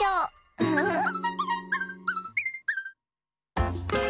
ウフフッ！